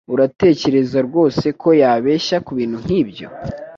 Uratekereza rwose ko yabeshya kubintu nkibyo?